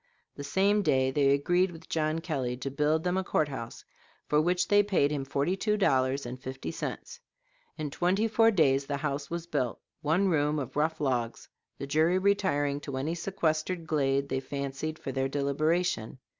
The same day they agreed with John Kelly to build them a court house, for which they paid him forty two dollars and fifty cents. In twenty four days the house was built one room of rough logs, the jury retiring to any sequestered glade they fancied for their deliberation.